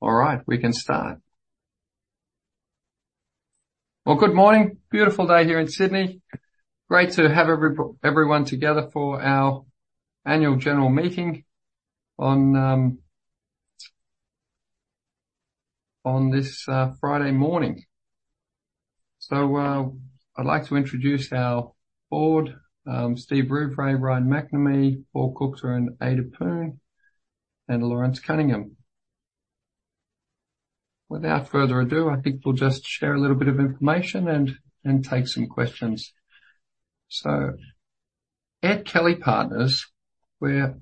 All right, we can start. Well, good morning. Beautiful day here in Sydney. Great to have everyone together for our annual general meeting on this Friday morning. I'd like to introduce our board, Stephen Rouvray, Ryan MacNamee, Paul Kuchta and Ada Poon, and Lawrence Cunningham. Without further ado, I think we'll just share a little bit of information and take some questions. At Kelly Partners, we're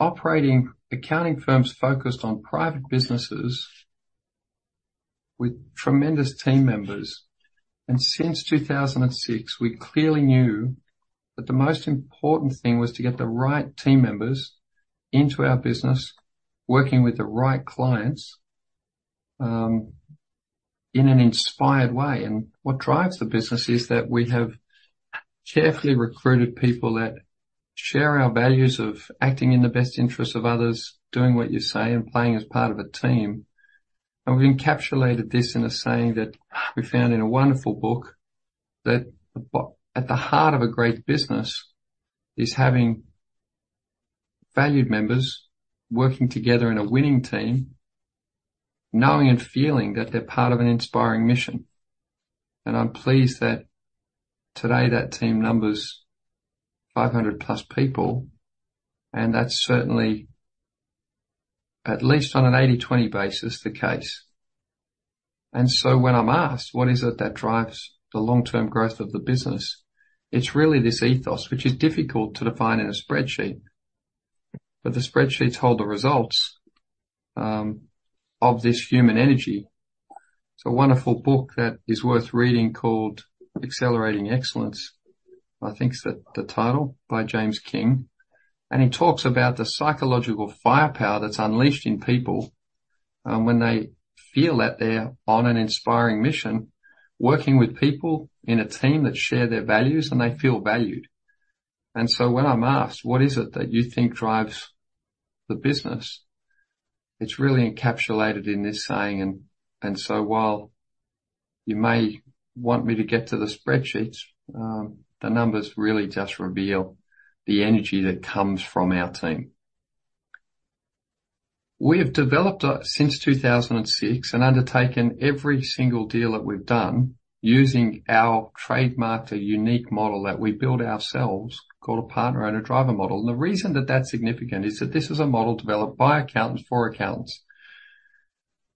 operating accounting firms focused on private businesses with tremendous team members, and since 2006, we clearly knew that the most important thing was to get the right team members into our business, working with the right clients, in an inspired way. What drives the business is that we have carefully recruited people that share our values of acting in the best interests of others, doing what you say, and playing as part of a team. We've encapsulated this in a saying that we found in a wonderful book, that at the heart of a great business is having valued members working together in a winning team, knowing and feeling that they're part of an inspiring mission. I'm pleased that today that team numbers 500+ people, and that's certainly, at least on an 80/20 basis, the case. So when I'm asked, "What is it that drives the long-term growth of the business?" It's really this ethos, which is difficult to define in a spreadsheet, but the spreadsheets hold the results of this human energy. There's a wonderful book that is worth reading called Accelerating Excellence, I think is the title, by James King, and he talks about the psychological firepower that's unleashed in people when they feel that they're on an inspiring mission, working with people in a team that share their values, and they feel valued. And so when I'm asked, "What is it that you think drives the business?" It's really encapsulated in this saying. And so while you may want me to get to the spreadsheets, the numbers really just reveal the energy that comes from our team. We have developed since 2006, and undertaken every single deal that we've done using our trademarked and unique model that we built ourselves, called a Partner-Owner-Driver model. The reason that that's significant is that this is a model developed by accountants for accountants.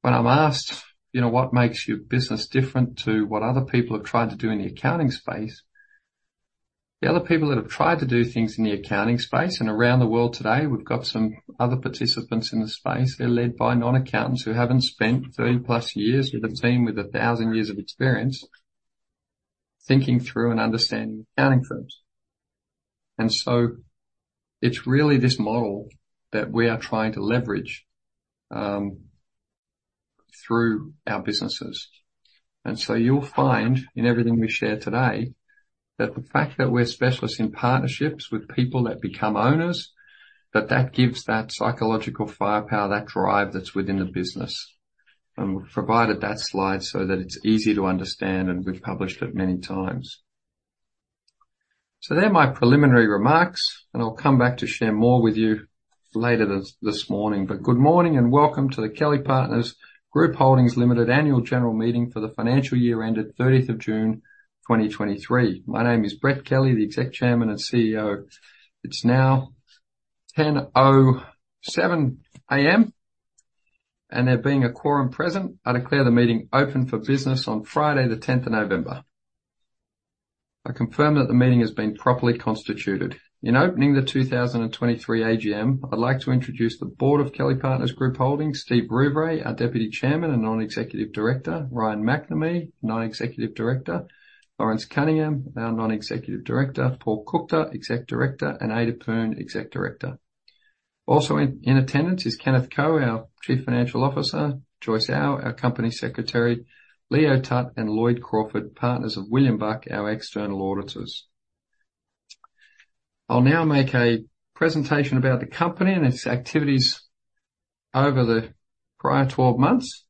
When I'm asked, "You know, what makes your business different to what other people have tried to do in the accounting space?" The other people that have tried to do things in the accounting space and around the world today, we've got some other participants in the space. They're led by non-accountants who haven't spent 30-plus years with a team with 1,000 years of experience, thinking through and understanding accounting firms. And so it's really this model that we are trying to leverage through our businesses. And so you'll find in everything we share today, that the fact that we're specialists in partnerships with people that become owners, that that gives that psychological firepower, that drive that's within the business. We've provided that slide so that it's easy to understand, and we've published it many times. They're my preliminary remarks, and I'll come back to share more with you later this, this morning. Good morning, and welcome to the Kelly Partners Group Holdings Limited Annual General Meeting for the financial year ended 30th of June 2023. My name is Brett Kelly, the Executive Chairman and CEO. It's now 10:07 A.M., and there being a quorum present, I declare the meeting open for business on Friday the 10th of November. I confirm that the meeting has been properly constituted. In opening the 2023 AGM, I'd like to introduce the Board of Kelly Partners Group Holdings, Stephen Rouvray, our Deputy Chairman and Non-Executive Director, Ryan MacNamee, Non-Executive Director, Lawrence Cunningham, our Non-Executive Director, Paul Kuchta, Executive Director, and Ada Poon, Executive Director. Also in attendance is Kenneth Ko, our Chief Financial Officer, Joyce Au, our Company Secretary, Leo Tutt, and Lloyd Crawford, partners of William Buck, our external auditors. I'll now make a presentation about the company and its activities over the prior 12 months.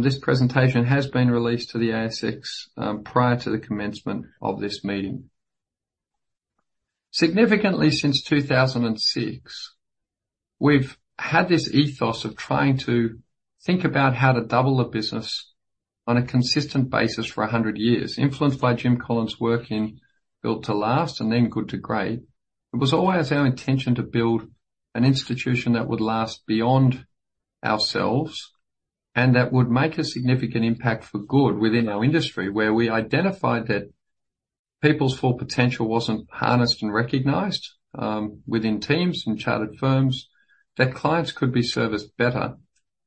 This presentation has been released to the ASX prior to the commencement of this meeting. Significantly, since 2006, we've had this ethos of trying to think about how to double the business on a consistent basis for 100 years. Influenced by Jim Collins' work in Built to Last and then Good to Great, it was always our intention to build an institution that would last beyond ourselves, and that would make a significant impact for good within our industry, where we identified that people's full potential wasn't harnessed and recognized within teams and chartered firms, that clients could be serviced better,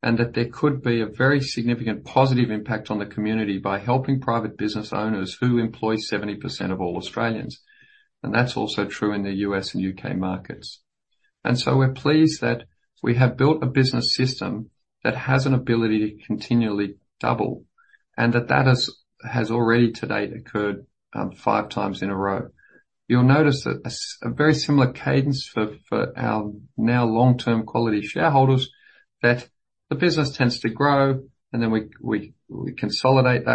and that there could be a very significant positive impact on the community by helping private business owners who employ 70% of all Australians. And that's also true in the U.S. and U.K. markets. And so we're pleased that we have built a business system that has an ability to continually double. And that has already to date occurred 5x in a row. You'll notice that a very similar cadence for our now long-term quality shareholders, that the business tends to grow, and then we consolidate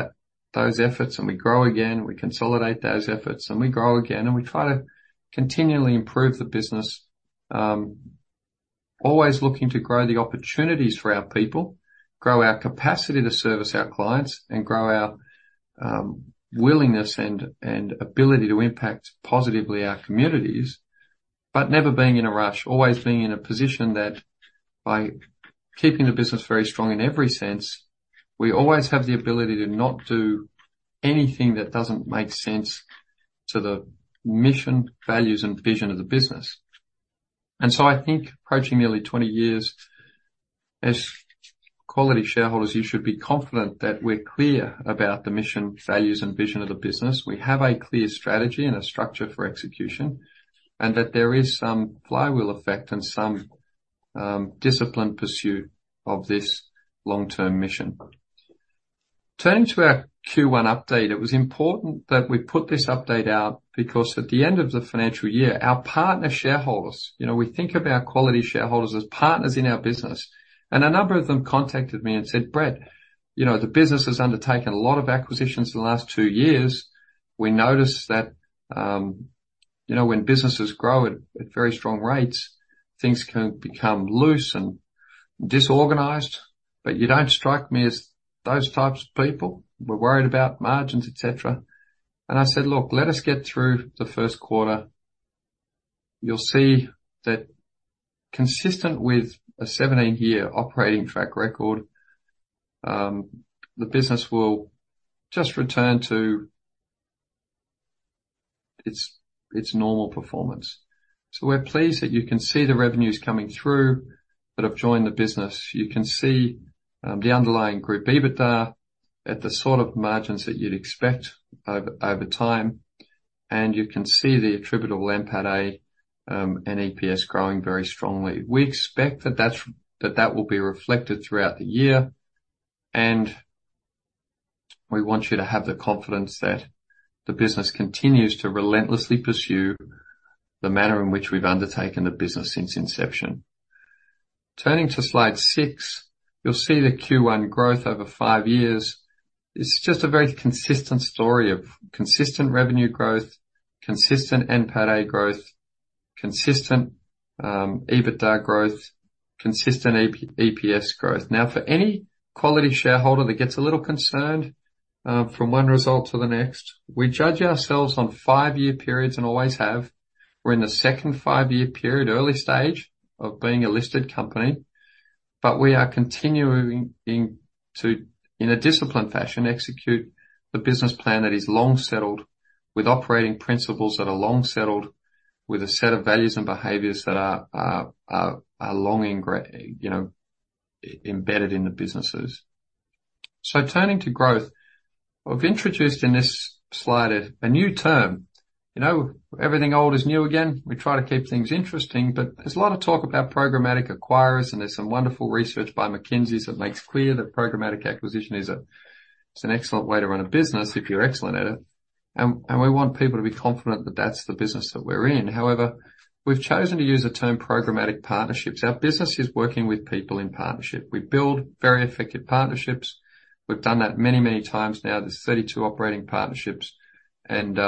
those efforts, and we grow again, and we consolidate those efforts, and we grow again, and we try to continually improve the business. Always looking to grow the opportunities for our people, grow our capacity to service our clients, and grow our willingness and ability to impact positively our communities, but never being in a rush. Always being in a position that by keeping the business very strong in every sense, we always have the ability to not do anything that doesn't make sense to the mission, values, and vision of the business. I think approaching nearly 20 years, as quality shareholders, you should be confident that we're clear about the mission, values, and vision of the business. We have a clear strategy and a structure for execution, and that there is some flywheel effect and some disciplined pursuit of this long-term mission. Turning to our Q1 update, it was important that we put this update out, because at the end of the financial year, our partner shareholders, you know, we think of our quality shareholders as partners in our business, and a number of them contacted me and said, "Brett, you know, the business has undertaken a lot of acquisitions in the last two years. We noticed that, you know, when businesses grow at very strong rates, things can become loose and disorganized, but you don't strike me as those types of people. We're worried about margins, et cetera." And I said: Look, let us get through the first quarter. You'll see that consistent with a 17-year operating track record, the business will just return to its, its normal performance. So we're pleased that you can see the revenues coming through that have joined the business. You can see the underlying group EBITDA at the sort of margins that you'd expect over, over time, and you can see the attributable NPATA and EPS growing very strongly. We expect that that will be reflected throughout the year, and we want you to have the confidence that the business continues to relentlessly pursue the manner in which we've undertaken the business since inception. Turning to slide six, you'll see the Q1 growth over five years. It's just a very consistent story of consistent revenue growth, consistent NPATA growth, consistent EBITDA growth, consistent EPS growth. Now, for any quality shareholder that gets a little concerned from one result to the next, we judge ourselves on five-year periods and always have. We're in the second five-year period, early stage of being a listed company, but we are continuing in a disciplined fashion to execute the business plan that is long settled, with operating principles that are long settled, with a set of values and behaviors that are long ingrained, you know, embedded in the businesses. So turning to growth, I've introduced in this slide a new term. You know, everything old is new again. We try to keep things interesting, but there's a lot of talk about programmatic acquirers, and there's some wonderful research by McKinsey that makes clear that programmatic acquisition is an excellent way to run a business if you're excellent at it, and we want people to be confident that that's the business that we're in. However, we've chosen to use the term programmatic partnerships. Our business is working with people in partnership. We build very effective partnerships. We've done that many, many times now. There's 32 operating partnerships, and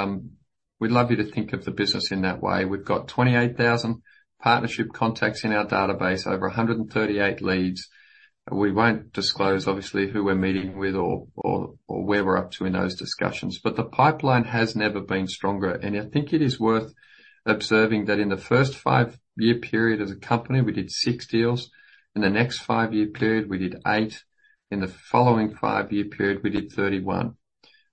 we'd love you to think of the business in that way. We've got 28,000 partnership contacts in our database, over 138 leads. We won't disclose, obviously, who we're meeting with or where we're up to in those discussions, but the pipeline has never been stronger. I think it is worth observing that in the first five year period as a company, we did six deals. In the next five year period, we did eight. In the following five year period, we did 31.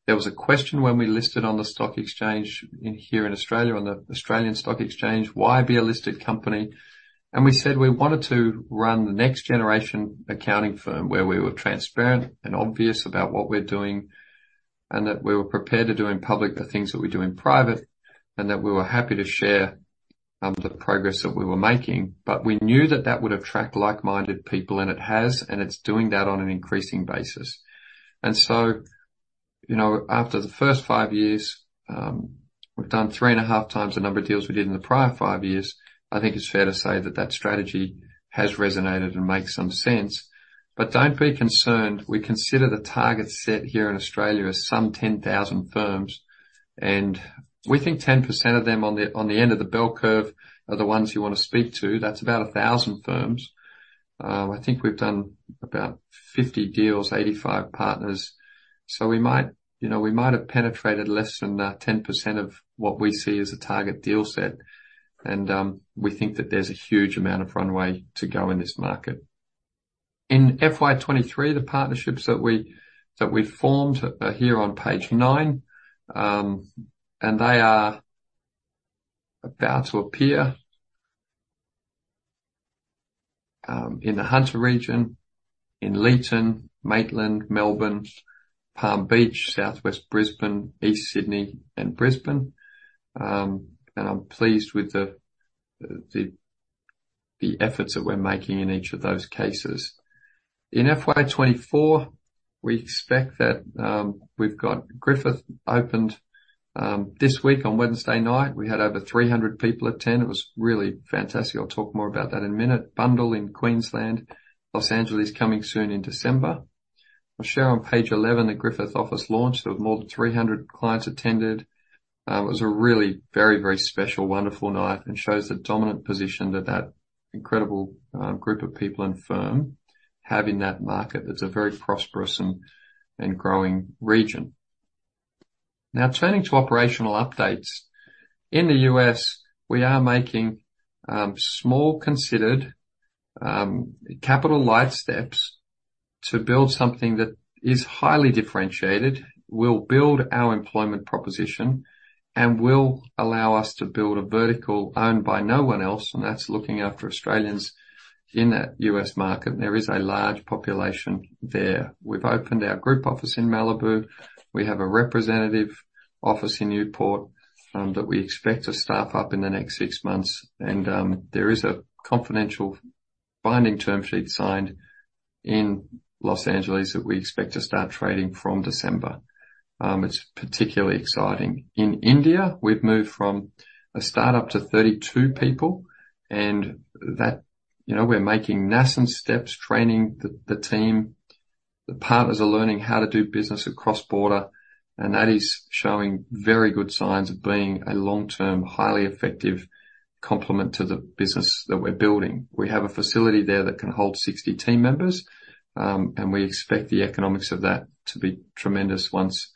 There was a question when we listed on the stock exchange here in Australia, on the Australian Securities Exchange, why be a listed company? We said we wanted to run the next generation accounting firm, where we were transparent and obvious about what we're doing, and that we were prepared to do in public the things that we do in private, and that we were happy to share the progress that we were making. But we knew that that would attract like-minded people, and it has, and it's doing that on an increasing basis. So, you know, after the first five years, we've done three and a half times the number of deals we did in the prior five years. I think it's fair to say that that strategy has resonated and makes some sense. But don't be concerned. We consider the target set here in Australia as some 10,000 firms, and we think 10% of them on the end of the bell curve are the ones you want to speak to. That's about a 1,000 firms. I think we've done about 50 deals, 85 partners. So we might, you know, we might have penetrated less than 10% of what we see as a target deal set. And, we think that there's a huge amount of runway to go in this market. In FY 2023, the partnerships that we formed are here on page nine, and they are about to appear in the Hunter Region, in Leeton, Maitland, Melbourne, Palm Beach, Southwest Brisbane, East Sydney, and Brisbane. And I'm pleased with the efforts that we're making in each of those cases. In FY 2024, we expect that we've got Griffith opened this week. On Wednesday night, we had over 300 people attend. It was really fantastic. I'll talk more about that in a minute. Bundaberg in Queensland, Los Angeles, coming soon in December. I'll show on page 11, the Griffith office launch. There were more than 300 clients attended. It was a really very, very special, wonderful night and shows the dominant position that incredible group of people and firm have in that market. It's a very prosperous and growing region. Now, turning to operational updates. In the U.S., we are making small, considered, capital light steps to build something that is highly differentiated, will build our employment proposition, and will allow us to build a vertical owned by no one else, and that's looking after Australians in that U.S. market. There is a large population there. We've opened our group office in Malibu. We have a representative office in Newport that we expect to staff up in the next six months, and there is a confidential binding term sheet signed in Los Angeles that we expect to start trading from December. It's particularly exciting. In India, we've moved from a start-up to 32 people, and that. You know, we're making nascent steps, training the team. The partners are learning how to do business across border, and that is showing very good signs of being a long-term, highly effective complement to the business that we're building. We have a facility there that can hold 60 team members, and we expect the economics of that to be tremendous once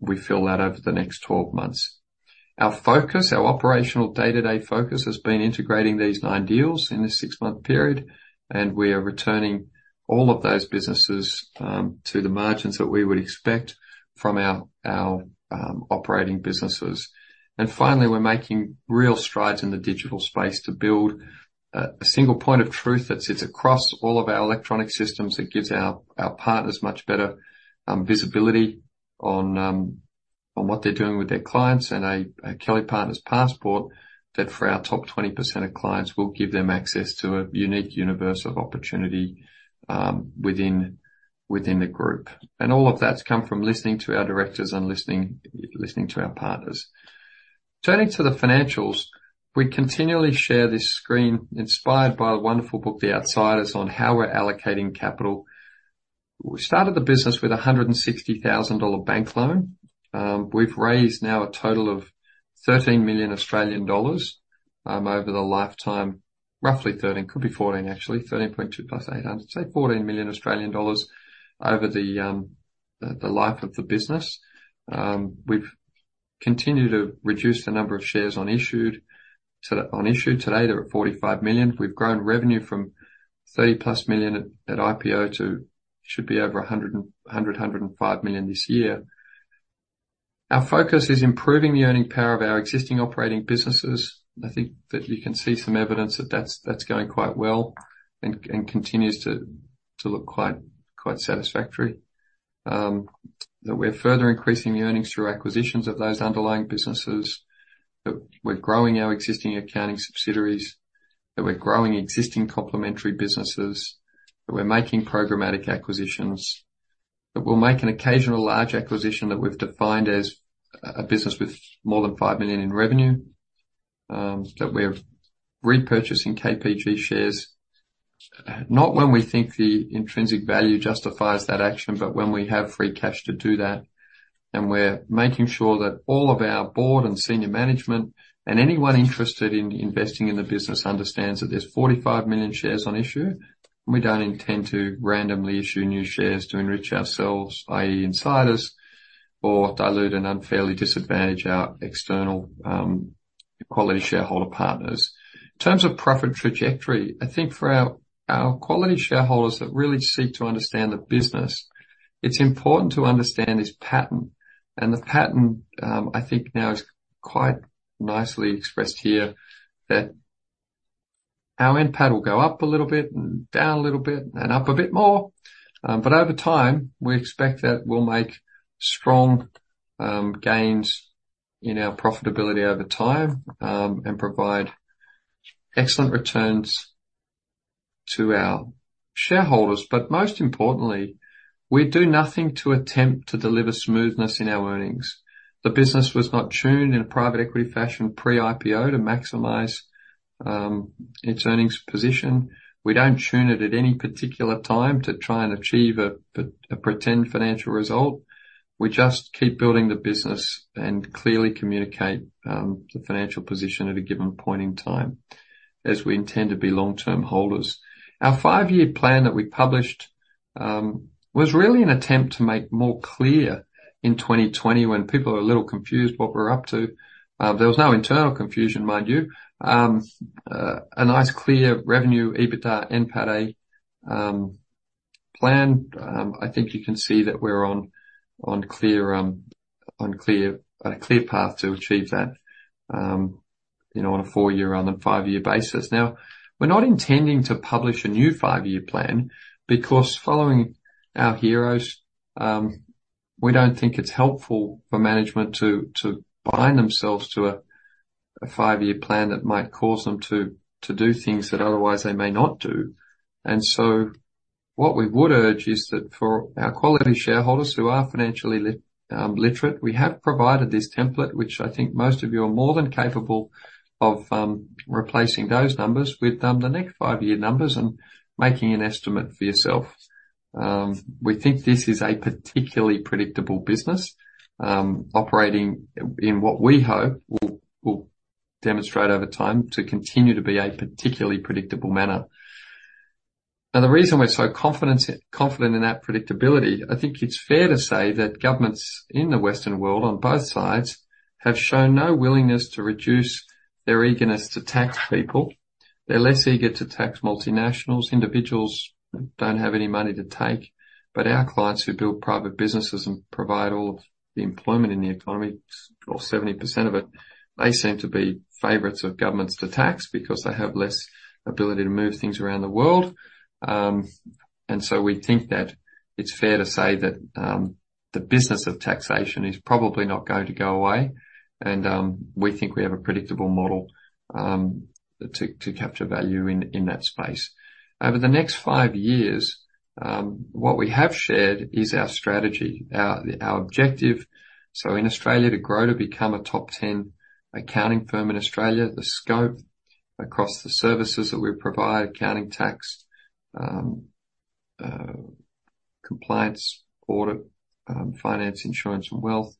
we fill that over the next 12 months. Our focus, our operational day-to-day focus, has been integrating these nine deals in this six month period, and we are returning all of those businesses to the margins that we would expect from our operating businesses. Finally, we're making real strides in the digital space to build a single point of truth that sits across all of our electronic systems, that gives our partners much better visibility on what they're doing with their clients, and a Kelly Partners Passport, that for our top 20% of clients, will give them access to a unique universe of opportunity within the group. And all of that's come from listening to our directors and listening to our partners. Turning to the financials, we continually share this screen, inspired by a wonderful book, The Outsiders, on how we're allocating capital. We started the business with a 160,000 dollar bank loan. We've raised now a total of 13 million Australian dollars over the lifetime. Roughly 13, could be 14, actually. 13.2 + 800, say 14 million Australian dollars over the, the life of the business. We've continued to reduce the number of shares on issue. Today, they're at 45 million. We've grown revenue from 30+ million at IPO to should be over 100, 105 million this year. Our focus is improving the earning power of our existing operating businesses. I think that you can see some evidence that that's, that's going quite well and, and continues to, to look quite, quite satisfactory. That we're further increasing earnings through acquisitions of those underlying businesses, that we're growing our existing accounting subsidiaries, that we're growing existing complementary businesses, that we're making programmatic acquisitions, that we'll make an occasional large acquisition, that we've defined as a business with more than 5 million in revenue, that we're repurchasing KPG shares, not when we think the intrinsic value justifies that action, but when we have free cash to do that. And we're making sure that all of our board and senior management, and anyone interested in investing in the business, understands that there's 45 million shares on issue, and we don't intend to randomly issue new shares to enrich ourselves, i.e., insiders, or dilute and unfairly disadvantage our external quality shareholder partners. In terms of profit trajectory, I think for our, our quality shareholders that really seek to understand the business, it's important to understand this pattern. The pattern, I think now is quite nicely expressed here, that our NPAT will go up a little bit and down a little bit, and up a bit more, but over time, we expect that we'll make strong gains in our profitability over time, and provide excellent returns to our shareholders. But most importantly, we do nothing to attempt to deliver smoothness in our earnings. The business was not tuned in a private equity fashion pre-IPO to maximize its earnings position. We don't tune it at any particular time to try and achieve a, a pretend financial result. We just keep building the business and clearly communicate the financial position at a given point in time, as we intend to be long-term holders. Our five-year plan that we published was really an attempt to make more clear in 2020, when people were a little confused what we're up to. There was no internal confusion, mind you. A nice clear revenue, EBITDA, NPATA plan. I think you can see that we're on a clear path to achieve that, you know, on a four-year rather than five-year basis. Now, we're not intending to publish a new five-year plan, because following our heroes. We don't think it's helpful for management to bind themselves to a five-year plan that might cause them to do things that otherwise they may not do. So what we would urge is that for our quality shareholders who are financially literate, we have provided this template, which I think most of you are more than capable of replacing those numbers with the next five-year numbers and making an estimate for yourself. We think this is a particularly predictable business operating in what we hope will, will demonstrate over time to continue to be a particularly predictable manner. Now, the reason we're so confident in that predictability, I think it's fair to say that governments in the Western world, on both sides, have shown no willingness to reduce their eagerness to tax people. They're less eager to tax multinationals. Individuals don't have any money to take, but our clients who build private businesses and provide all of the employment in the economy, or 70% of it, they seem to be favorites of governments to tax because they have less ability to move things around the world. And so we think that it's fair to say that the business of taxation is probably not going to go away, and we think we have a predictable model to capture value in that space. Over the next five years, what we have shared is our strategy, our objective. So in Australia, to grow to become a top 10 accounting firm in Australia, the scope across the services that we provide, accounting, tax, compliance, audit, finance, insurance, and wealth,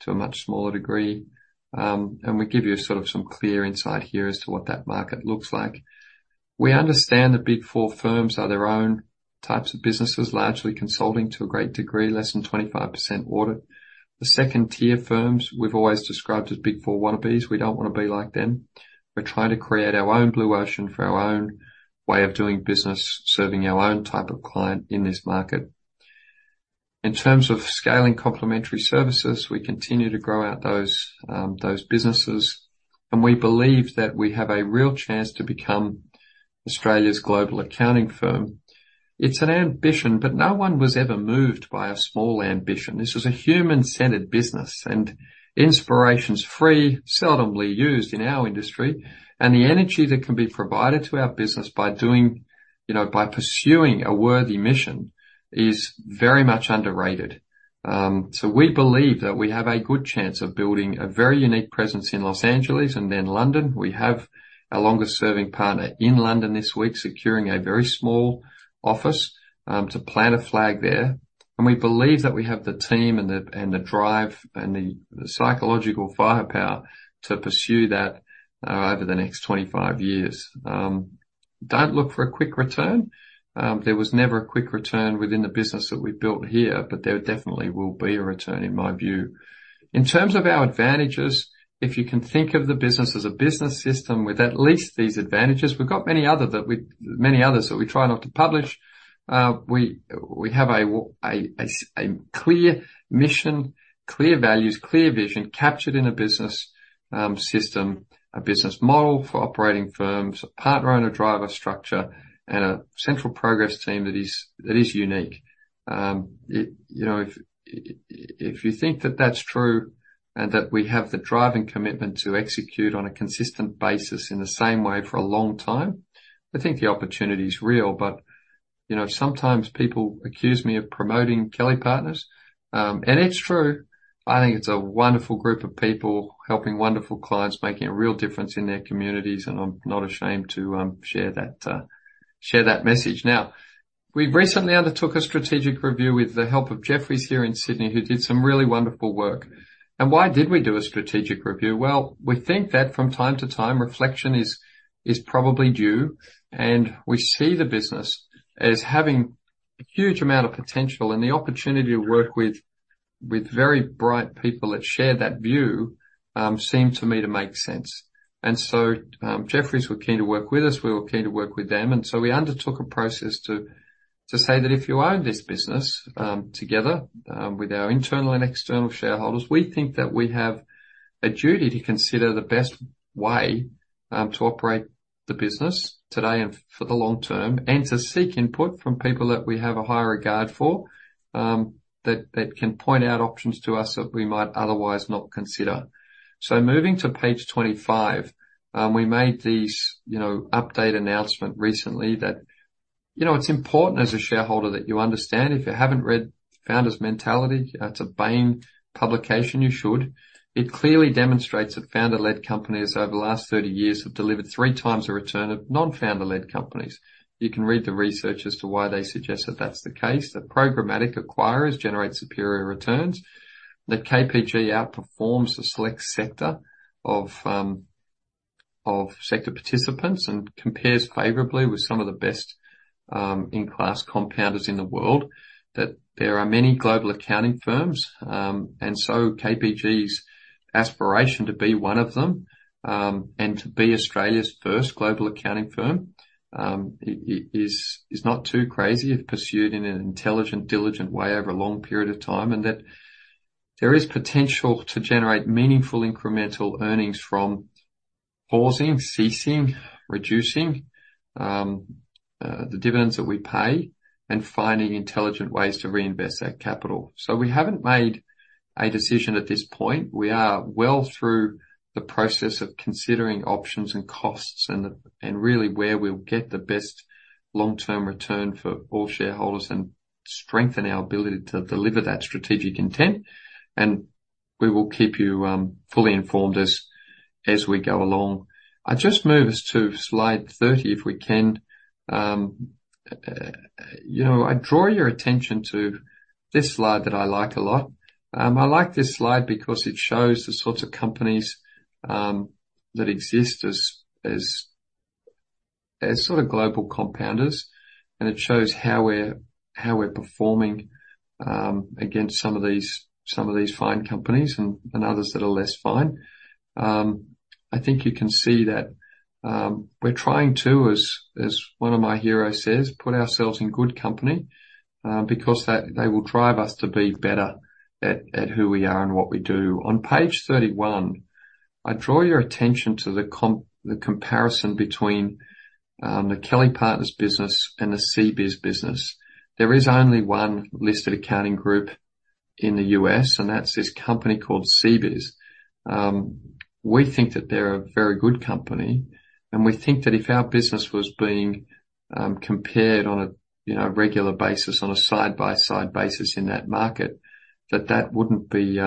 to a much smaller degree. And we give you sort of some clear insight here as to what that market looks like. We understand the Big Four firms are their own types of businesses, largely consulting to a great degree, less than 25% audit. The second-tier firms we've always described as Big Four wannabes. We don't want to be like them. We're trying to create our own blue ocean for our own way of doing business, serving our own type of client in this market. In terms of scaling complementary services, we continue to grow out those, those businesses, and we believe that we have a real chance to become Australia's global accounting firm. It's an ambition, but no one was ever moved by a small ambition. This is a human-centered business, and inspiration's free, seldomly used in our industry, and the energy that can be provided to our business by doing, you know, by pursuing a worthy mission, is very much underrated. So we believe that we have a good chance of building a very unique presence in Los Angeles and then London. We have our longest-serving partner in London this week, securing a very small office, to plant a flag there, and we believe that we have the team and the, and the drive and the, the psychological firepower to pursue that, over the next 25 years. Don't look for a quick return. There was never a quick return within the business that we built here, but there definitely will be a return, in my view. In terms of our advantages, if you can think of the business as a business system with at least these advantages, we've got many others that we try not to publish. We have a clear mission, clear values, clear vision, captured in a business system, a business model for operating firms, a Partner-Owner Driver structure, and a Central Progress Team that is unique. You know, if you think that that's true and that we have the drive and commitment to execute on a consistent basis in the same way for a long time, I think the opportunity is real. But, you know, sometimes people accuse me of promoting Kelly Partners, and it's true. I think it's a wonderful group of people, helping wonderful clients, making a real difference in their communities, and I'm not ashamed to share that message. Now, we've recently undertook a strategic review with the help of Jefferies here in Sydney, who did some really wonderful work. And why did we do a strategic review? Well, we think that from time to time, reflection is probably due, and we see the business as having a huge amount of potential, and the opportunity to work with very bright people that share that view seemed to me to make sense. And so, Jefferies were keen to work with us. We were keen to work with them, and so we undertook a process to say that if you own this business, together with our internal and external shareholders, we think that we have a duty to consider the best way to operate the business today and for the long term, and to seek input from people that we have a high regard for, that can point out options to us that we might otherwise not consider. So moving to page 25, we made these, you know, update announcement recently that, you know, it's important as a shareholder that you understand, if you haven't read Founder's Mentality, it's a Bain publication, you should. It clearly demonstrates that founder-led companies over the last 30 years have delivered 3x the return of non-founder-led companies. You can read the research as to why they suggest that that's the case, that programmatic acquirers generate superior returns, that KPG outperforms a select sector of sector participants and compares favorably with some of the best in-class compounders in the world, that there are many global accounting firms, and so KPG's aspiration to be one of them, and to be Australia's first global accounting firm, is not too crazy if pursued in an intelligent, diligent way over a long period of time, and that there is potential to generate meaningful incremental earnings from pausing, ceasing, reducing the dividends that we pay, and finding intelligent ways to reinvest that capital. So we haven't made a decision at this point. We are well through the process of considering options and costs and really where we'll get the best long-term return for all shareholders and strengthen our ability to deliver that strategic intent. We will keep you fully informed as we go along. I just move us to slide 30, if we can. You know, I draw your attention to this slide that I like a lot. I like this slide because it shows the sorts of companies that exist as sort of global compounders, and it shows how we're performing against some of these fine companies and others that are less fine. I think you can see that we're trying to, as one of my heroes says, "Put ourselves in good company," because they will drive us to be better at who we are and what we do. On page 31, I draw your attention to the comparison between the Kelly Partners business and the CBIZ business. There is only one listed accounting group in the U.S., and that's this company called CBIZ. We think that they're a very good company, and we think that if our business was being compared on a, you know, regular basis, on a side-by-side basis in that market, that that wouldn't be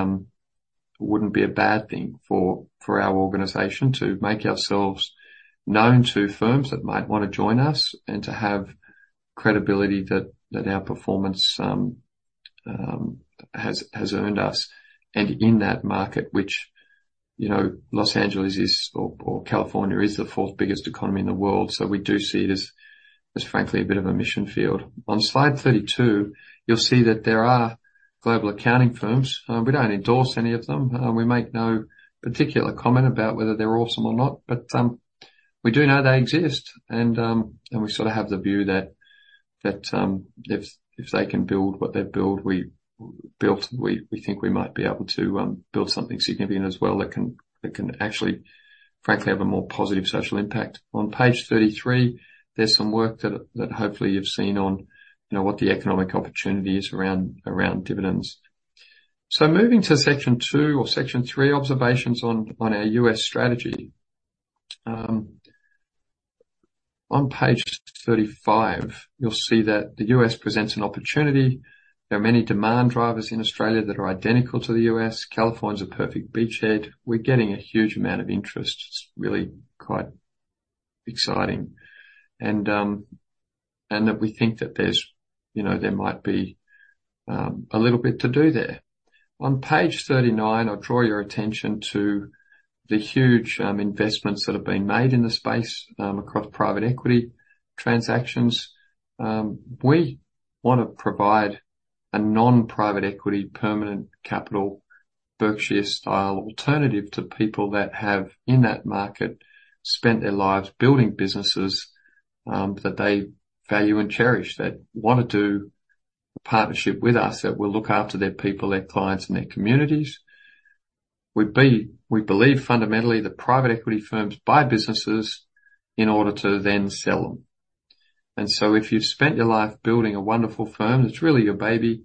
a bad thing for our organization to make ourselves known to firms that might want to join us and to have credibility that our performance has earned us. And in that market, which, you know, Los Angeles or California is the fourth biggest economy in the world, so we do see it as frankly a bit of a mission field. On slide 32, you'll see that there are global accounting firms. We don't endorse any of them. We make no particular comment about whether they're awesome or not, but we do know they exist. We sort of have the view that if they can build what they build, we think we might be able to build something significant as well that can actually, frankly, have a more positive social impact. On page 33, there's some work that hopefully you've seen on, you know, what the economic opportunity is around dividends. So moving to section two or section three, observations on our U.S. strategy. On page 35, you'll see that the U.S. presents an opportunity. There are many demand drivers in Australia that are identical to the U.S. California is a perfect beachhead. We're getting a huge amount of interest. It's really quite exciting. And that we think that there's, you know, there might be a little bit to do there. On page 39, I draw your attention to the huge, investments that have been made in the space, across private equity transactions. We want to provide a non-private equity, permanent capital, Berkshire-style alternative to people that have, in that market, spent their lives building businesses, that they value and cherish, that want to do a partnership with us, that will look after their people, their clients, and their communities. We believe fundamentally that private equity firms buy businesses in order to then sell them. So if you've spent your life building a wonderful firm, that's really your baby,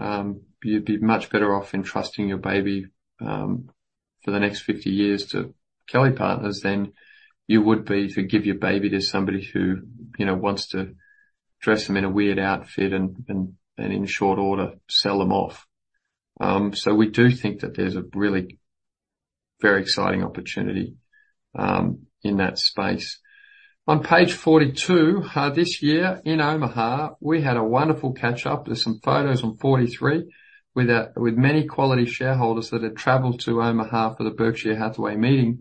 you'd be much better off entrusting your baby for the next 50 years to Kelly Partners than you would be if you give your baby to somebody who, you know, wants to dress them in a weird outfit and in short order, sell them off. So we do think that there's a really very exciting opportunity in that space. On page 42, this year in Omaha, we had a wonderful catch-up. There's some photos on 43 with many quality shareholders that had traveled to Omaha for the Berkshire Hathaway meeting.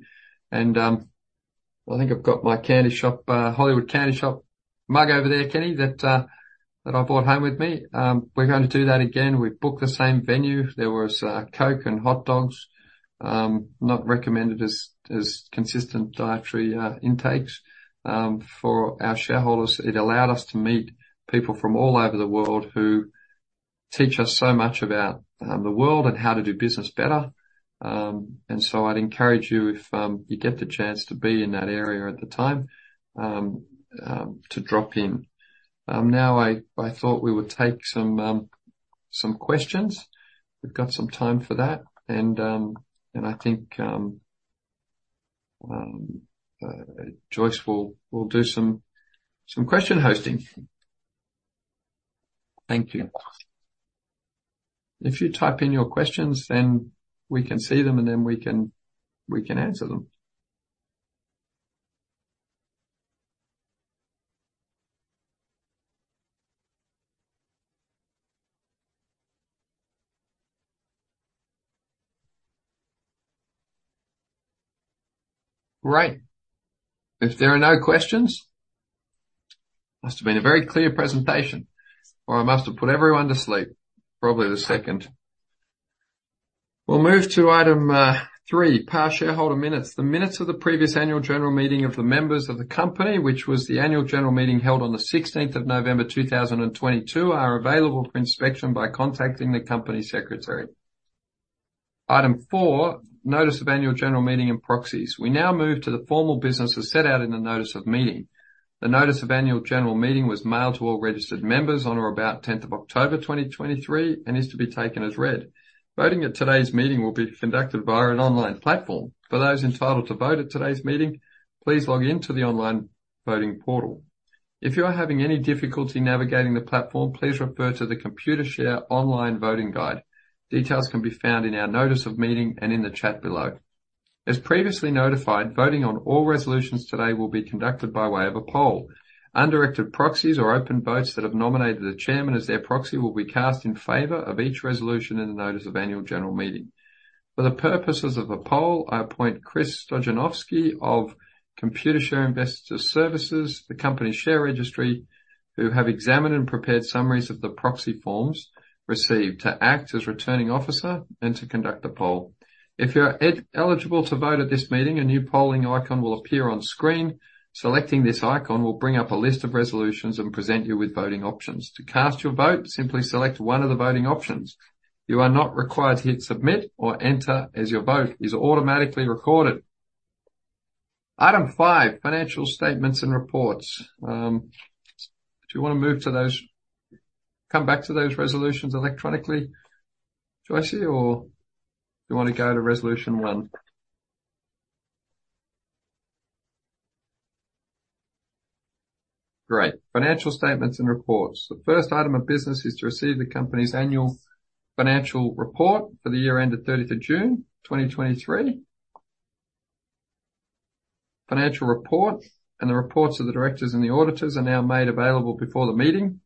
And I think I've got my candy shop, Hollywood Candy Shop mug over there, Kenny, that I brought home with me. We're going to do that again. We've booked the same venue. There was Coke and hot dogs. Not recommended as consistent dietary intakes for our shareholders. It allowed us to meet people from all over the world who teach us so much about the world and how to do business better. And so I'd encourage you, if you get the chance to be in that area at the time, to drop in. Now I thought we would take some questions. We've got some time for that. And I think Joyce will do some question hosting. Thank you. If you type in your questions, then we can see them, and then we can answer them. Great! If there are no questions, must have been a very clear presentation, or I must have put everyone to sleep. Probably the second. We'll move to item three, past shareholder minutes. The minutes of the previous annual general meeting of the members of the company, which was the annual general meeting held on the 16th of November, 2022, are available for inspection by contacting the Company Secretary. Item four, notice of Annual General Meeting and proxies. We now move to the formal business as set out in the notice of meeting. The notice of Annual General Meeting was mailed to all registered members on or about 10th of October, 2023, and is to be taken as read. Voting at today's meeting will be conducted via an online platform. For those entitled to vote at today's meeting, please log in to the online voting portal. If you are having any difficulty navigating the platform, please refer to the Computershare online voting guide. Details can be found in our notice of meeting and in the chat below. As previously notified, voting on all resolutions today will be conducted by way of a poll. Undirected proxies or open votes that have nominated the chairman as their proxy will be cast in favor of each resolution in the notice of Annual General Meeting. For the purposes of the poll, I appoint Chris Stojanovski of Computershare Investor Services, the company's share registry, who have examined and prepared summaries of the proxy forms received to act as Returning Officer and to conduct the poll. If you are eligible to vote at this meeting, a new polling icon will appear on screen. Selecting this icon will bring up a list of resolutions and present you with voting options. To cast your vote, simply select one of the voting options. You are not required to hit Submit or Enter, as your vote is automatically recorded. Item five, financial statements and reports. Do you want to move to those, come back to those resolutions electronically, Joyce, or do you want to go to resolution 1? Great. Financial statements and reports. The first item of business is to receive the company's annual financial report for the year ended 30th of June 2023. Financial report and the reports of the directors and the auditors are now made available before the meeting.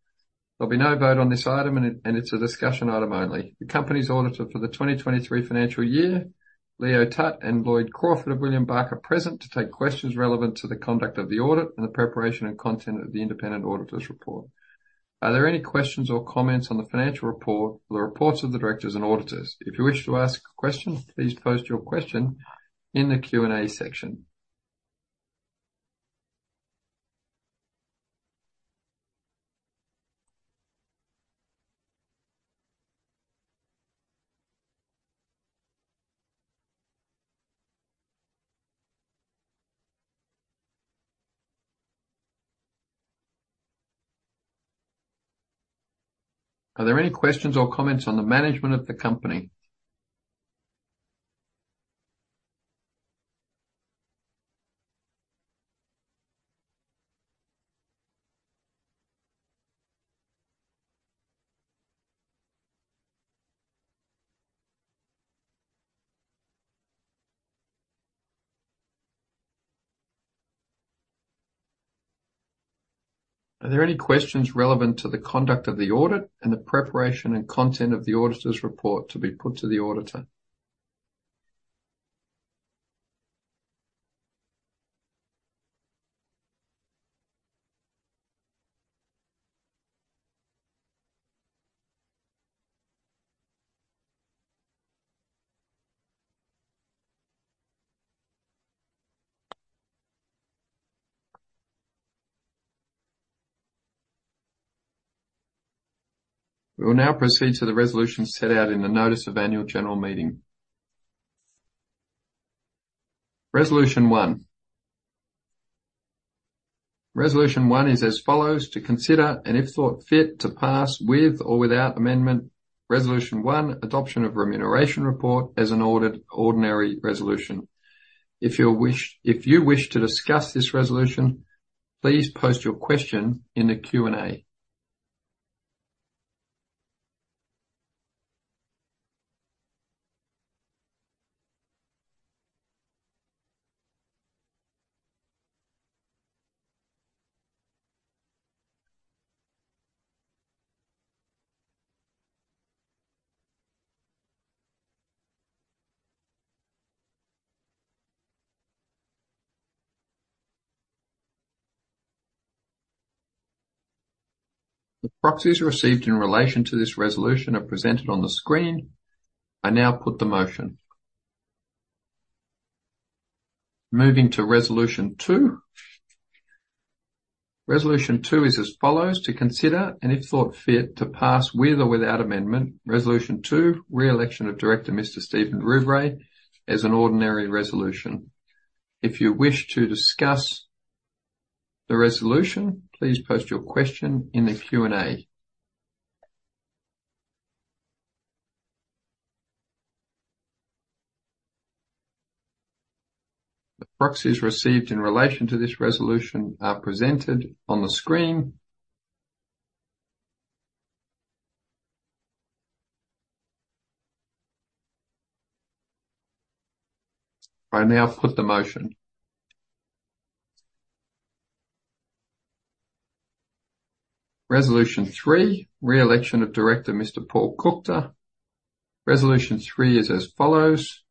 There'll be no vote on this item, and it's a discussion item only. The company's auditor for the 2023 financial year, Leo Tutt and Lloyd Crawford of William Buck, are present to take questions relevant to the conduct of the audit and the preparation and content of the independent auditor's report. Are there any questions or comments on the financial report or the reports of the directors and auditors? If you wish to ask a question, please post your question in the Q&A section. Are there any questions or comments on the management of the company? Are there any questions relevant to the conduct of the audit and the preparation and content of the auditor's report to be put to the auditor? We will now proceed to the resolutions set out in the notice of Annual General Meeting. Resolution one. Resolution one is as follows: To consider, and if thought fit, to pass, with or without amendment, resolution one, adoption of remuneration report as an ordinary resolution. If you wish, if you wish to discuss this resolution, please post your question in the Q&A. The proxies received in relation to this resolution are presented on the screen. I now put the motion. Moving to resolution two. Resolution two is as follows: To consider, and if thought fit, to pass, with or without amendment, resolution two, re-election of director, Mr. Stephen Rouvray, as an ordinary resolution. If you wish to discuss the resolution, please post your question in the Q&A. The proxies received in relation to this resolution are presented on the screen. I now put the motion. Resolution three, re-election of director, Mr. Paul Kuchta. Resolution three is as follows: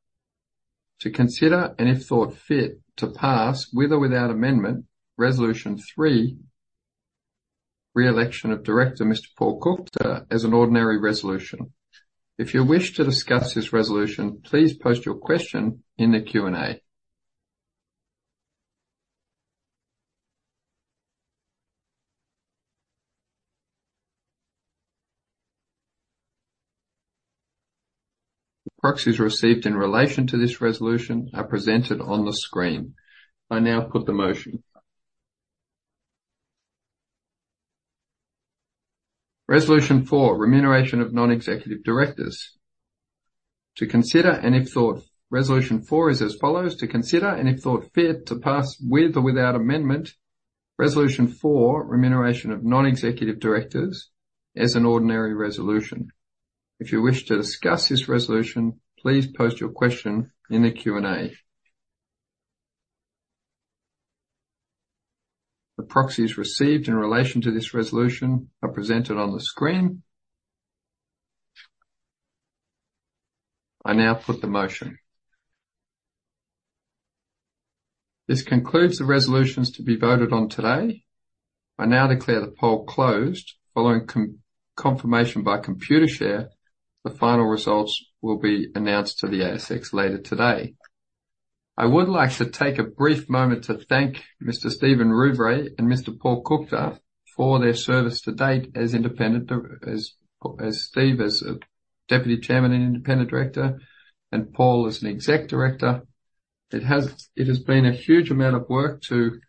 To consider, and if thought fit, to pass, with or without amendment, resolution three, re-election of director, Mr. Paul Kuchta, as an ordinary resolution. If you wish to discuss this resolution, please post your question in the Q&A. Proxies received in relation to this resolution are presented on the screen. I now put the motion. Resolution four: Remuneration of non-executive directors. Resolution four is as follows: To consider, and if thought fit, to pass with or without amendment, resolution four, remuneration of non-executive directors, as an ordinary resolution. If you wish to discuss this resolution, please post your question in the Q&A. The proxies received in relation to this resolution are presented on the screen. I now put the motion. This concludes the resolutions to be voted on today. I now declare the poll closed. Following confirmation by Computershare, the final results will be announced to the ASX later today. I would like to take a brief moment to thank Mr. Stephen Rouvray and Mr. Paul Kuchta for their service to date as independent, as Steve, deputy chairman and independent director, and Paul as an exec director. It has been a huge amount of work to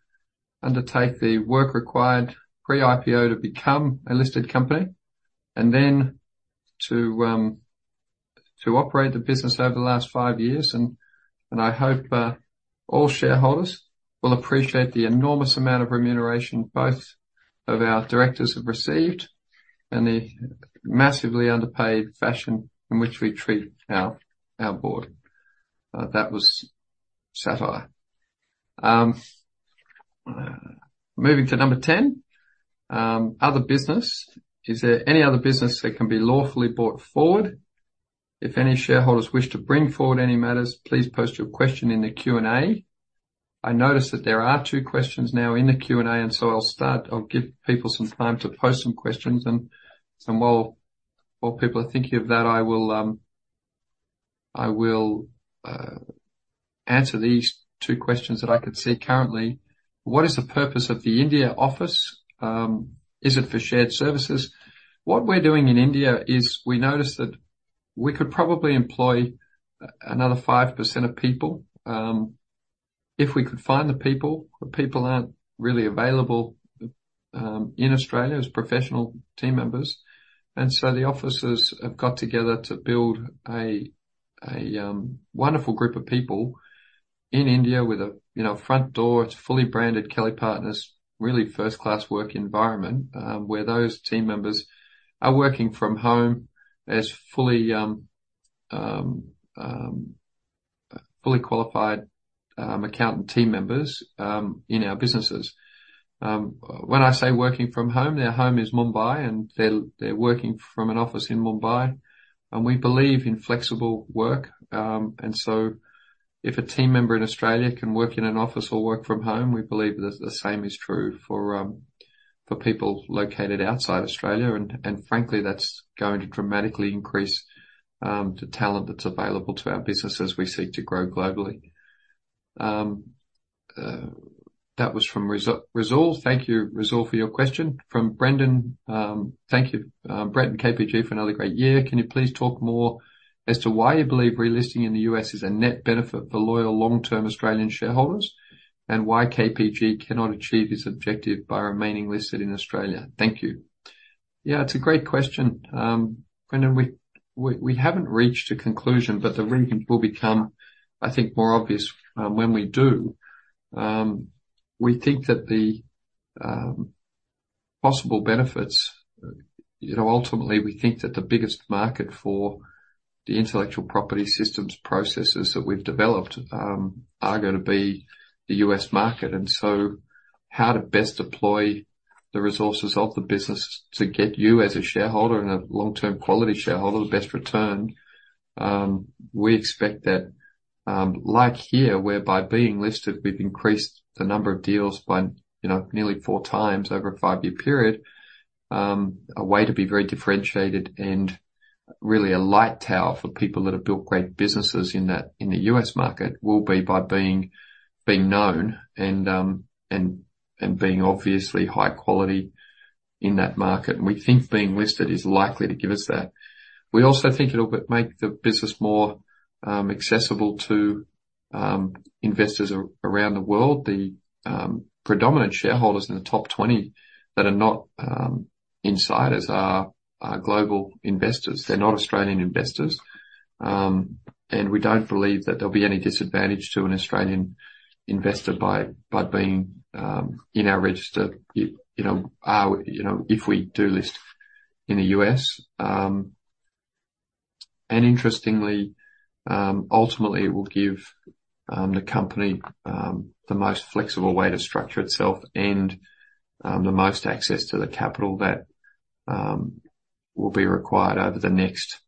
undertake the work required pre-IPO to become a listed company, and then to operate the business over the last five years, and I hope all shareholders will appreciate the enormous amount of remuneration both of our directors have received, and the massively underpaid fashion in which we treat our board. That was satire. Moving to number 10, other business. Is there any other business that can be lawfully brought forward? If any shareholders wish to bring forward any matters, please post your question in the Q&A. I notice that there are two questions now in the Q&A, and so I'll start. I'll give people some time to post some questions, and while people are thinking of that, I will answer these two questions that I can see currently. "What is the purpose of the India office? Is it for shared services?" What we're doing in India is we noticed that we could probably employ another 5% of people if we could find the people. The people aren't really available in Australia as professional team members, and so the offices have got together to build a wonderful group of people in India with a, you know, front door. It's a fully branded Kelly Partners, really first-class work environment, where those team members are working from home as fully qualified accountant team members, in our businesses. When I say working from home, their home is Mumbai, and they're working from an office in Mumbai. And we believe in flexible work. And so if a team member in Australia can work in an office or work from home, we believe that the same is true for people located outside Australia. And frankly, that's going to dramatically increase the talent that's available to our business as we seek to grow globally. That was from Resol. Thank you, Resol, for your question. From Brendan: "Thank you, Brendan, KPG, for another great year. Can you please talk more as to why you believe relisting in the U.S. is a net benefit for loyal, long-term Australian shareholders, and why KPG cannot achieve this objective by remaining listed in Australia? Thank you. Yeah, it's a great question. Brendan, we haven't reached a conclusion, but the reason will become, I think, more obvious when we do. We think that the possible benefits. You know, ultimately, we think that the biggest market for the intellectual property systems processes that we've developed are gonna be the U.S. market, and so how to best deploy the resources of the business to get you, as a shareholder and a long-term quality shareholder, the best return. We expect that, like here, where by being listed, we've increased the number of deals by, you know, nearly 4x over a five-year period. A way to be very differentiated and really a light tower for people that have built great businesses in that in the U.S. market will be by being known and being obviously high quality in that market. We think being listed is likely to give us that. We also think it'll make the business more accessible to investors around the world. The predominant shareholders in the top 20 that are not insiders are global investors. They're not Australian investors. And we don't believe that there'll be any disadvantage to an Australian investor by being in our register, you know, you know, if we do list in the U.S. And interestingly, ultimately, it will give the company the most flexible way to structure itself and the most access to the capital that will be required over the next,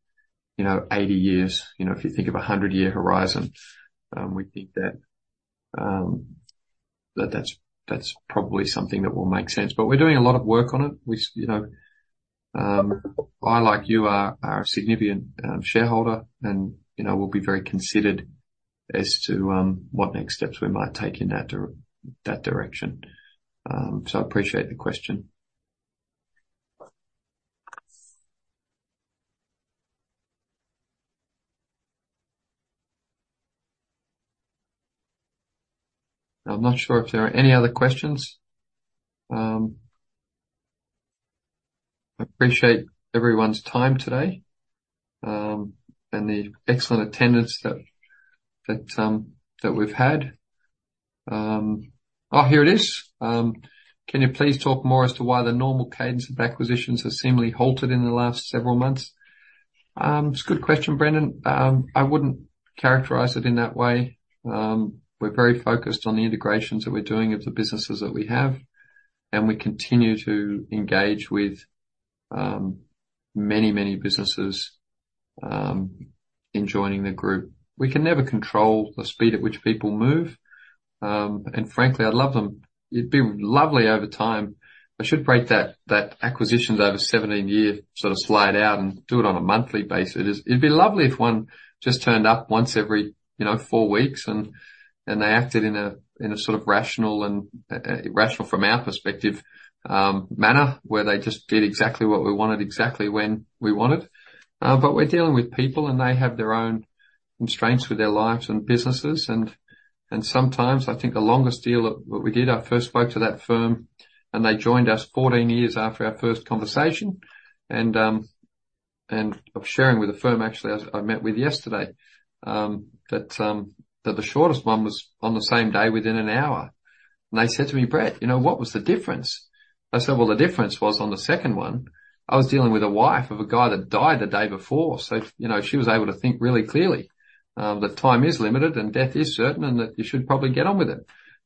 you know, 80 years. You know, if you think of a 100-year horizon, we think that that's probably something that will make sense. But we're doing a lot of work on it. You know... I, like you, are a significant shareholder, and, you know, we'll be very considered as to what next steps we might take in that direction. So I appreciate the question. I'm not sure if there are any other questions. I appreciate everyone's time today and the excellent attendance that we've had. Oh, here it is. Can you please talk more as to why the normal cadence of acquisitions has seemingly halted in the last several months? It's a good question, Brendan. I wouldn't characterize it in that way. We're very focused on the integrations that we're doing of the businesses that we have, and we continue to engage with many, many businesses in joining the group. We can never control the speed at which people move. And frankly, I'd love them. It'd be lovely over time. I should break that acquisitions over 17 years, sort of, slide out and do it on a monthly basis. It'd be lovely if one just turned up once every, you know, four weeks, and they acted in a sort of rational and rational from our perspective manner, where they just did exactly what we wanted, exactly when we wanted. But we're dealing with people, and they have their own constraints with their lives and businesses. Sometimes I think the longest deal that we did, I first spoke to that firm, and they joined us 14 years after our first conversation. I'm sharing with a firm, actually, I met with yesterday, that the shortest one was on the same day, within an hour. They said to me, "Brett, you know, what was the difference?" I said, "Well, the difference was on the second one, I was dealing with a wife of a guy that died the day before," so, you know, she was able to think really clearly, that time is limited and death is certain, and that you should probably get on with it.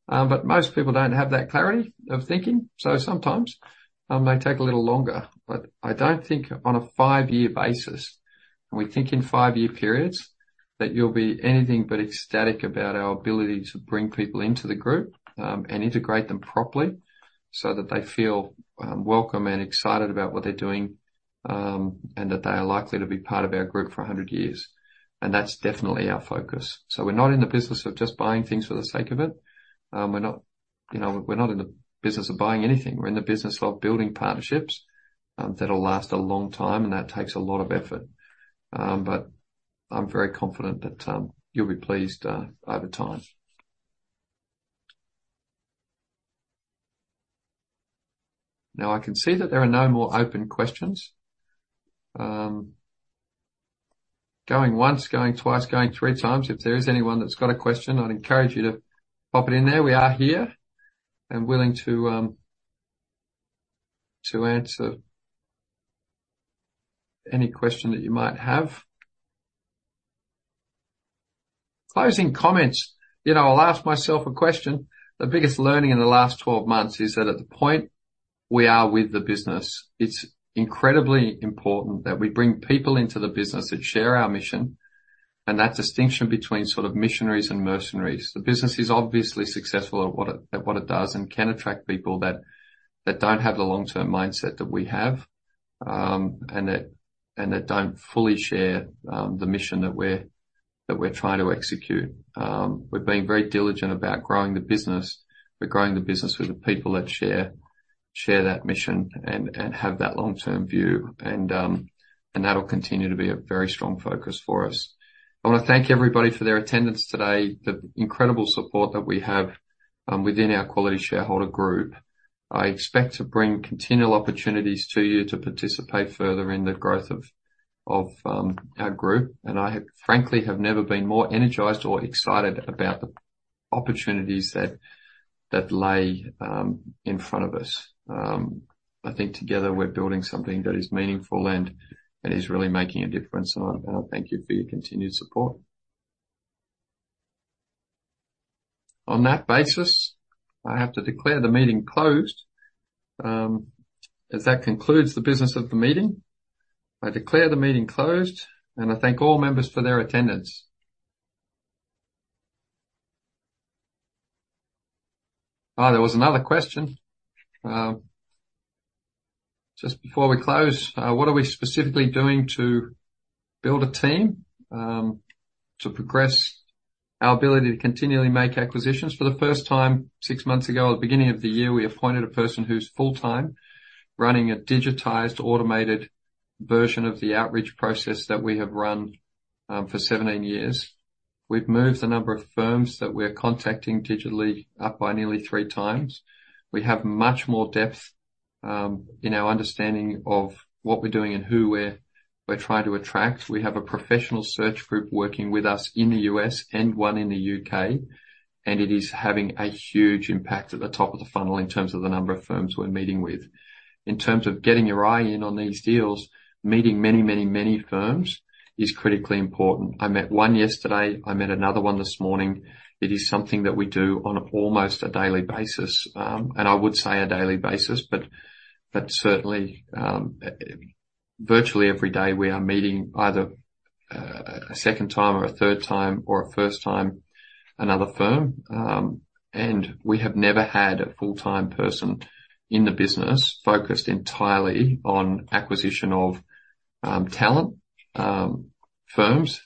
But most people don't have that clarity of thinking, so sometimes, they take a little longer. But I don't think on a five-year basis, and we think in five-year periods, that you'll be anything but ecstatic about our ability to bring people into the group, and integrate them properly so that they feel, welcome and excited about what they're doing, and that they are likely to be part of our group for a hundred years. And that's definitely our focus. So we're not in the business of just buying things for the sake of it. We're not, you know, we're not in the business of buying anything. We're in the business of building partnerships, that'll last a long time, and that takes a lot of effort. But I'm very confident that you'll be pleased over time. Now, I can see that there are no more open questions. Going once, going twice, going three times. If there is anyone that's got a question, I'd encourage you to pop it in there. We are here and willing to answer any question that you might have. Closing comments. You know, I'll ask myself a question. The biggest learning in the last 12 months is that at the point we are with the business, it's incredibly important that we bring people into the business that share our mission, and that distinction between sort of missionaries and mercenaries. The business is obviously successful at what it does, and can attract people that don't have the long-term mindset that we have, and that don't fully share the mission that we're trying to execute. We're being very diligent about growing the business. We're growing the business with the people that share that mission and have that long-term view. And that'll continue to be a very strong focus for us. I wanna thank everybody for their attendance today, the incredible support that we have within our quality shareholder group. I expect to bring continual opportunities to you to participate further in the growth of our group, and I frankly have never been more energized or excited about the opportunities that lay in front of us. I think together we're building something that is meaningful and is really making a difference, and I thank you for your continued support. On that basis, I have to declare the meeting closed. As that concludes the business of the meeting, I declare the meeting closed, and I thank all members for their attendance. There was another question. Just before we close, what are we specifically doing to build a team to progress our ability to continually make acquisitions? For the first time, six months ago, at the beginning of the year, we appointed a person who's full-time running a digitized, automated version of the outreach process that we have run for 17 years. We've moved the number of firms that we're contacting digitally up by nearly 3x. We have much more depth in our understanding of what we're doing and who we're trying to attract. We have a professional search group working with us in the U.S. and one in the U.K., and it is having a huge impact at the top of the funnel in terms of the number of firms we're meeting with. In terms of getting your eye in on these deals, meeting many, many, many firms is critically important. I met one yesterday. I met another one this morning. It is something that we do on almost a daily basis, and I would say a daily basis, but certainly virtually every day, we are meeting either a second time or a third time, or a first time, another firm. We have never had a full-time person in the business focused entirely on acquisition of talent firms.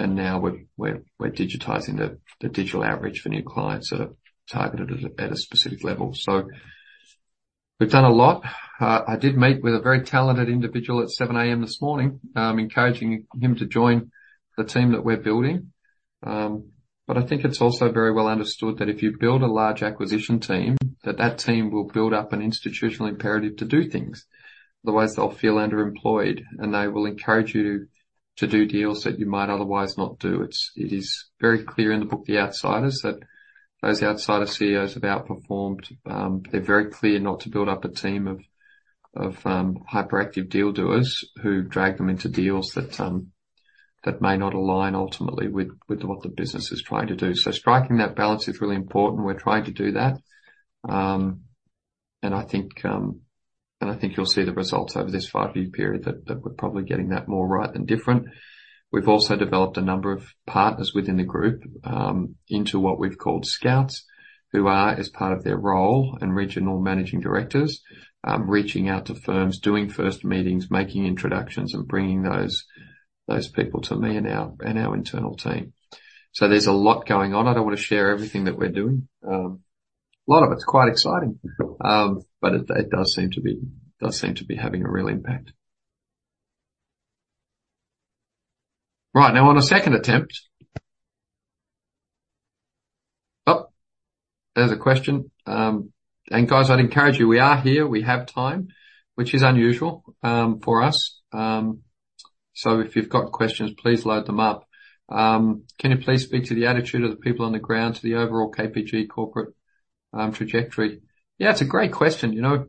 Now we're digitizing the digital outreach for new clients that are targeted at a specific level. So we've done a lot. I did meet with a very talented individual at 7:00 A.M. this morning, encouraging him to join the team that we're building. But I think it's also very well understood that if you build a large acquisition team, that team will build up an institutional imperative to do things. Otherwise, they'll feel underemployed, and they will encourage you to do deals that you might otherwise not do. It is very clear in the book, The Outsiders, that those outsider CEOs have outperformed. They're very clear not to build up a team of hyperactive deal doers, who drag them into deals that may not align ultimately with what the business is trying to do. So striking that balance is really important. We're trying to do that. And I think you'll see the results over this five-year period that we're probably getting that more right than different. We've also developed a number of partners within the group into what we've called scouts, who are, as part of their role and regional managing directors, reaching out to firms, doing first meetings, making introductions, and bringing those, those people to me and our, and our internal team. So there's a lot going on. I don't want to share everything that we're doing. A lot of it's quite exciting, but it does seem to be having a real impact. Right now, on a second attempt. Oh, there's a question. Guys, I'd encourage you, we are here. We have time, which is unusual for us. So if you've got questions, please load them up. Can you please speak to the attitude of the people on the ground to the overall KPG corporate trajectory? Yeah, it's a great question. You know,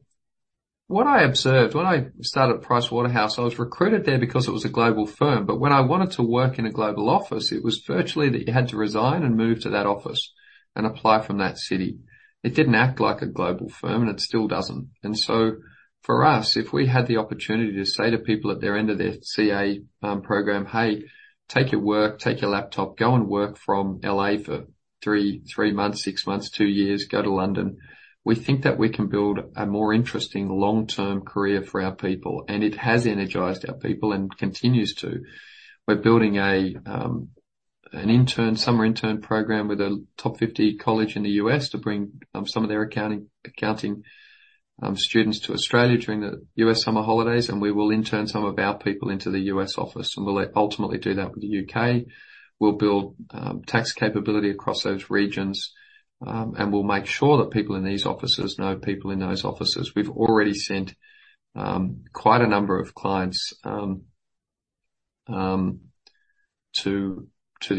what I observed when I started at Pricewaterhouse, I was recruited there because it was a global firm, but when I wanted to work in a global office, it was virtually that you had to resign and move to that office and apply from that city. It didn't act like a global firm, and it still doesn't. And so, for us, if we had the opportunity to say to people at their end of their CA Program, "Hey, take your work, take your laptop, go and work from L.A. for three, three months, six months, two years. Go to London." We think that we can build a more interesting long-term career for our people, and it has energized our people and continues to. We're building a summer intern program with a top 50 college in the U.S. to bring some of their accounting students to Australia during the U.S. summer holidays, and we will intern some of our people into the U.S. office, and we'll ultimately do that with the U.K. We'll build tax capability across those regions, and we'll make sure that people in these offices know people in those offices. We've already sent quite a number of clients to the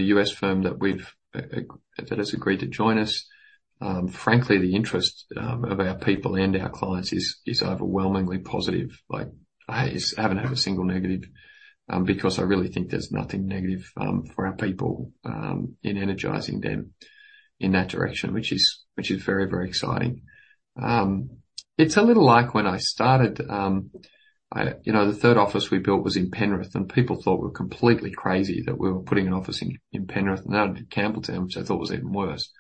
U.S. firm that has agreed to join us. Frankly, the interest of our people and our clients is overwhelmingly positive, like, I haven't had a single negative because I really think there's nothing negative for our people in energizing them in that direction, which is very, very exciting. It's a little like when I started. You know, the third office we built was in Penrith, and people thought we were completely crazy that we were putting an office in Penrith, and then Campbelltown, which I thought was even worse.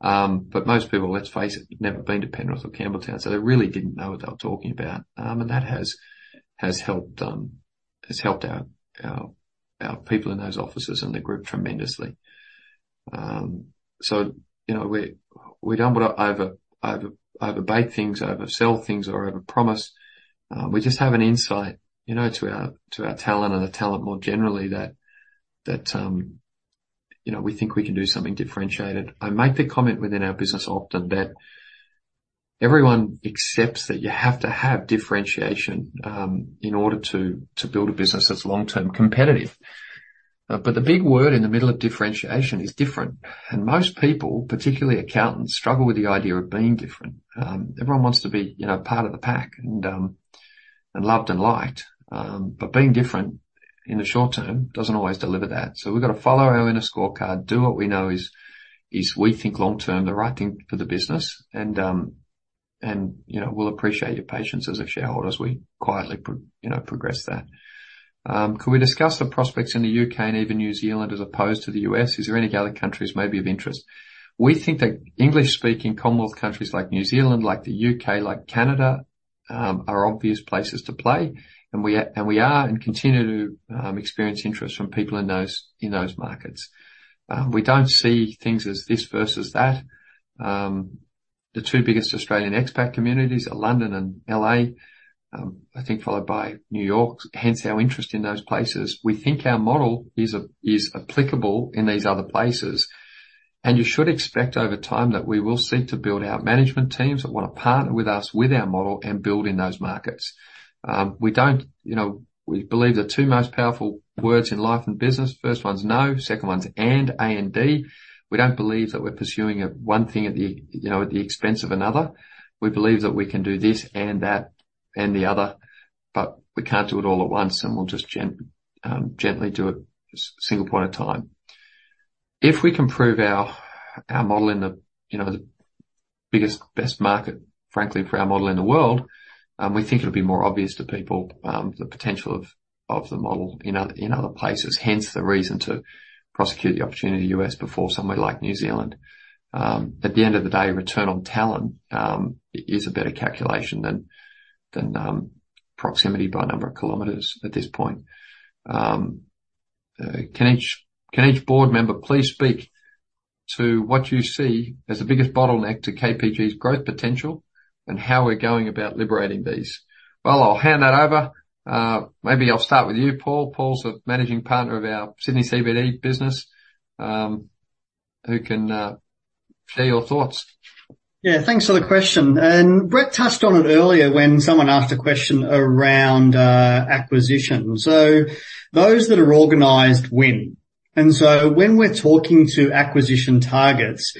But most people, let's face it, never been to Penrith or Campbelltown, so they really didn't know what they were talking about. And that has helped our people in those offices and the group tremendously. So, you know, we don't want to overhype things, oversell things, or overpromise. We just have an insight, you know, to our talent and the talent more generally, that you know, we think we can do something differentiated. I make the comment within our business often that everyone accepts that you have to have differentiation in order to build a business that's long-term competitive. But the big word in the middle of differentiation is different, and most people, particularly accountants, struggle with the idea of being different. Everyone wants to be, you know, part of the pack and loved and liked. But being different in the short term doesn't always deliver that. So we've got to follow our inner scorecard, do what we know is we think long-term the right thing for the business, and, you know, we'll appreciate your patience as a shareholder as we quietly, you know, progress that. Could we discuss the prospects in the U.K. and even New Zealand as opposed to the U.S.? Is there any other countries maybe of interest? We think that English-speaking Commonwealth countries like New Zealand, like the U.K., like Canada, are obvious places to play, and we, and we are and continue to, experience interest from people in those, in those markets. We don't see things as this versus that. The two biggest Australian expat communities are London and L.A., I think followed by New York, hence our interest in those places. We think our model is applicable in these other places, and you should expect over time that we will seek to build our management teams that want to partner with us with our model and build in those markets. We don't... You know, we believe the two most powerful words in life and business, first one's no, second one's and, A-N-D. We don't believe that we're pursuing a one thing at the, you know, at the expense of another. We believe that we can do this and that and the other, but we can't do it all at once, and we'll just gently do it just single point of time. If we can prove our model in the, you know biggest, best market, frankly, for our model in the world, we think it'll be more obvious to people the potential of the model in other places. Hence, the reason to prosecute the opportunity in U.S. before somewhere like New Zealand. At the end of the day, return on talent is a better calculation than proximity by number of kilometers at this point. Can each board member please speak to what you see as the biggest bottleneck to KPG's growth potential and how we're going about liberating these? Well, I'll hand that over. Maybe I'll start with you, Paul. Paul's a managing partner of our Sydney CBD business, who can share your thoughts. Yeah, thanks for the question, and Brett touched on it earlier when someone asked a question around acquisition. So those that are organized win. And so when we're talking to acquisition targets,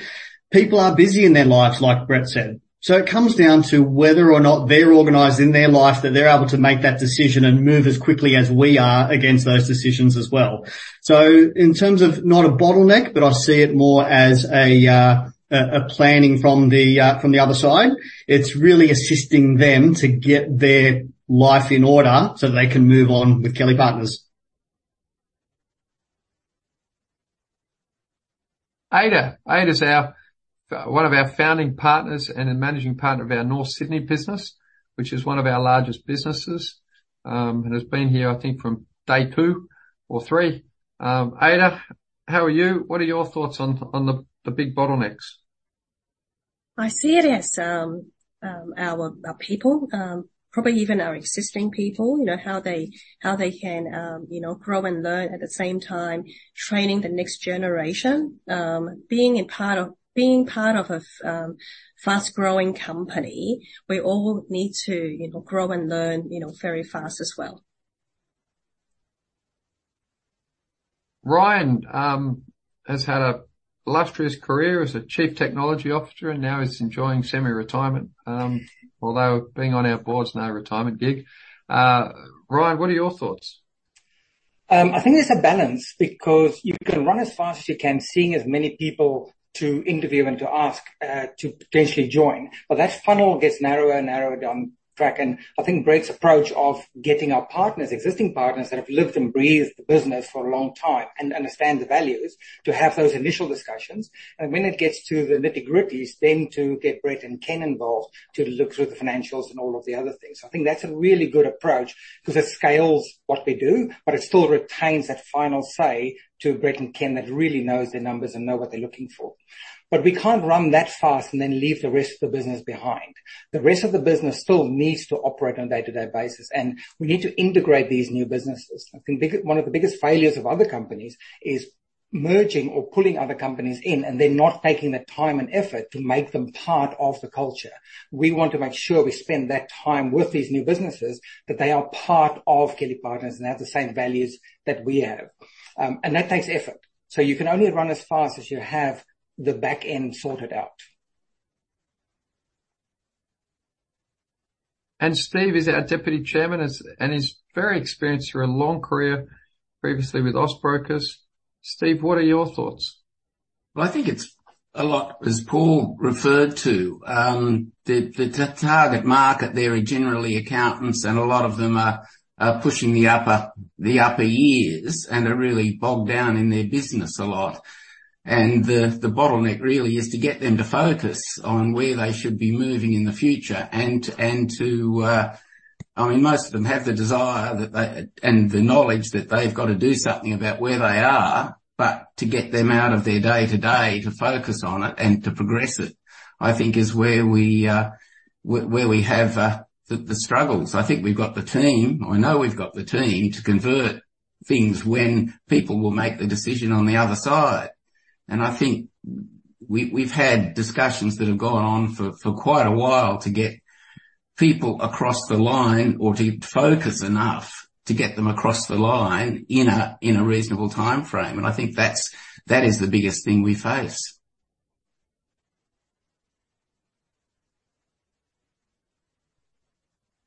people are busy in their lives, like Brett said. So it comes down to whether or not they're organized in their life, that they're able to make that decision and move as quickly as we are against those decisions as well. So in terms of not a bottleneck, but I see it more as a planning from the other side, it's really assisting them to get their life in order so they can move on with Kelly Partners. Ada. Ada is our one of our founding partners and a managing partner of our North Sydney business, which is one of our largest businesses, and has been here, I think, from day two or three. Ada, how are you? What are your thoughts on the big bottlenecks? I see it as our people, probably even our existing people, you know, how they can, you know, grow and learn, at the same time, training the next generation. Being part of a fast-growing company, we all need to, you know, grow and learn, you know, very fast as well. Ryan has had an illustrious career as a chief technology officer, and now he's enjoying semi-retirement. Although being on our board is no retirement gig. Ryan, what are your thoughts? I think there's a balance because you can run as fast as you can, seeing as many people to interview and to ask to potentially join, but that funnel gets narrower and narrower down the track. I think Brett's approach of getting our partners, existing partners, that have lived and breathed the business for a long time and understand the values, to have those initial discussions, and when it gets to the nitty-gritties, then to get Brett and Ken involved to look through the financials and all of the other things. I think that's a really good approach because it scales what we do, but it still retains that final say to Brett and Ken that really knows their numbers and know what they're looking for. We can't run that fast and then leave the rest of the business behind. The rest of the business still needs to operate on a day-to-day basis, and we need to integrate these new businesses. I think big. One of the biggest failures of other companies is merging or pulling other companies in, and they're not taking the time and effort to make them part of the culture. We want to make sure we spend that time with these new businesses, that they are part of Kelly Partners and have the same values that we have. And that takes effort. You can only run as fast as you have the back end sorted out. And Steve is our deputy chairman, and he's very experienced through a long career, previously with Austbrokers. Steve, what are your thoughts? Well, I think it's a lot, as Paul referred to, the target market. There are generally accountants, and a lot of them are pushing the upper years and are really bogged down in their business a lot. And the bottleneck really is to get them to focus on where they should be moving in the future and to. I mean, most of them have the desire that they, and the knowledge that they've got to do something about where they are, but to get them out of their day-to-day to focus on it and to progress it, I think is where we have the struggles. I think we've got the team. I know we've got the team to convert things when people will make the decision on the other side. And I think we've had discussions that have gone on for quite a while to get people across the line or to focus enough to get them across the line in a reasonable timeframe. And I think that's, that is the biggest thing we face.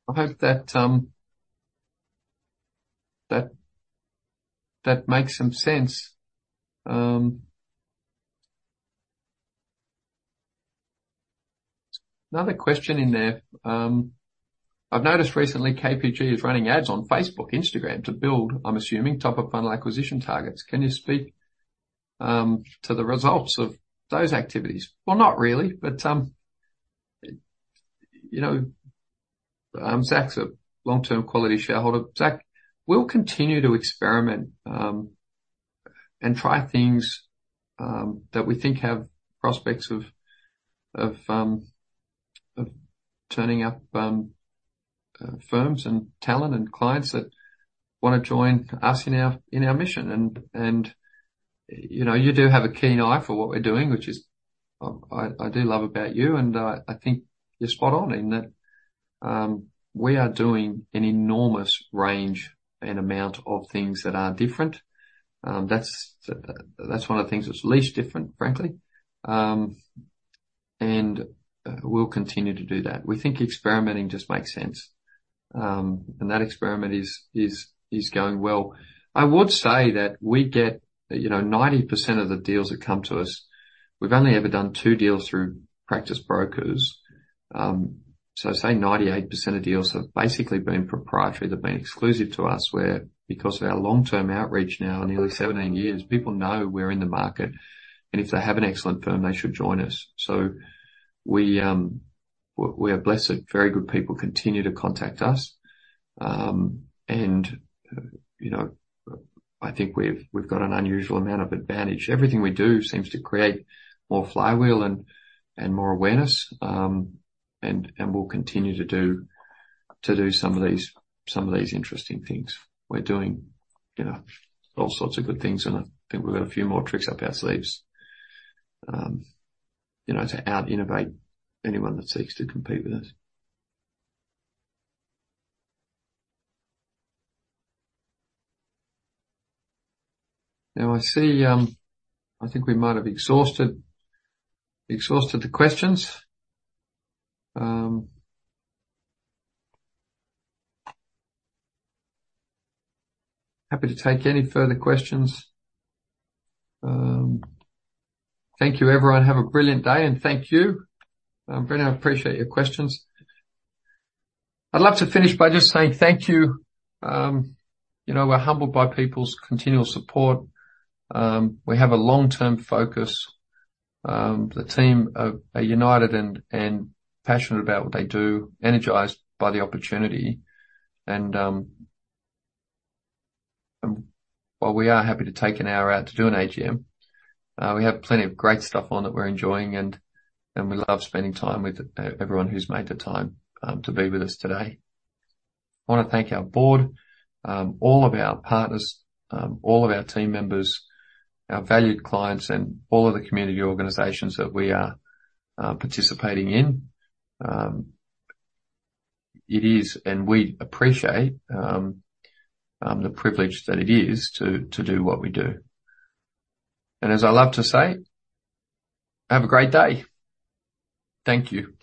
I hope that makes some sense. Another question in there: I've noticed recently KPG is running ads on Facebook, Instagram to build, I'm assuming, top-of-funnel acquisition targets. Can you speak to the results of those activities? Well, not really, but, you know, Zach's a long-term quality shareholder. Zach, we'll continue to experiment and try things that we think have prospects of turning up firms and talent and clients that wanna join us in our mission. And, you know, you do have a keen eye for what we're doing, which is. I do love about you, and, I think you're spot on in that, we are doing an enormous range and amount of things that are different. That's one of the things that's least different, frankly. We'll continue to do that. We think experimenting just makes sense... That experiment is going well. I would say that we get, you know, 90% of the deals that come to us; we've only ever done two deals through practice brokers. So say 98% of deals have basically been proprietary. They've been exclusive to us, where because of our long-term outreach now, nearly 17 years, people know we're in the market, and if they have an excellent firm, they should join us. So we are blessed that very good people continue to contact us. You know, I think we've got an unusual amount of advantage. Everything we do seems to create more flywheel and more awareness. We'll continue to do some of these interesting things. We're doing, you know, all sorts of good things, and I think we've got a few more tricks up our sleeves, you know, to out-innovate anyone that seeks to compete with us. Now, I see. I think we might have exhausted the questions. Happy to take any further questions. Thank you everyone. Have a brilliant day, and thank you. Brendan, I appreciate your questions. I'd love to finish by just saying thank you. You know, we're humbled by people's continual support. We have a long-term focus. The team are united and passionate about what they do, energized by the opportunity. While we are happy to take an hour out to do an AGM, we have plenty of great stuff on that we're enjoying, and we love spending time with everyone who's made the time to be with us today. I wanna thank our board, all of our partners, all of our team members, our valued clients, and all of the community organizations that we are participating in. It is, and we appreciate the privilege that it is to do what we do. And as I love to say, have a great day. Thank you.